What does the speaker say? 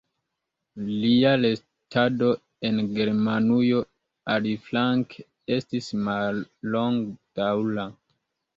Lia restado en Germanujo, aliflanke, estis mallongdaŭra.